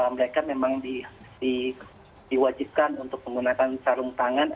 mereka memang diwajibkan untuk menggunakan sarung tangan